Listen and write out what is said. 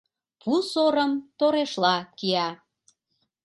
Пу сорым Торешла кия...